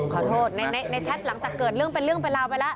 ขอโทษนะในชาติหลังจากเกิดเรื่องเป็นเรื่องปัญหาไปล่ะ